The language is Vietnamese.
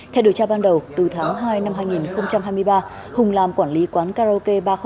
theo điều tra ban đầu từ tháng hai năm hai nghìn hai mươi ba hùng làm quản lý quán karaoke ba trăm linh một